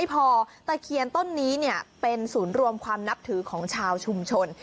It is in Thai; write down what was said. เป็นศูนย์รวมความนับถือของชาวชุมชน